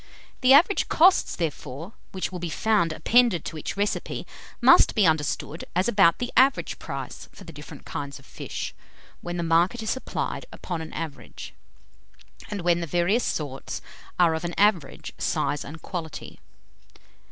The average costs, therefore, which will be found appended to each recipe, must be understood as about the average price for the different kinds of fish, when the market is supplied upon an average, and when the various sorts are of an average size and quality.